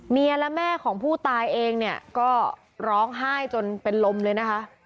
แม่และแม่ของผู้ตายเองเนี่ยก็ร้องไห้จนเป็นลมเลยนะคะ